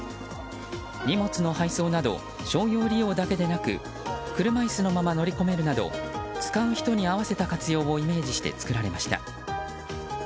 荷物の配送など商業利用だけでなく車椅子のまま乗り込めるなど使う人に合わせた活用をイメージして作られました。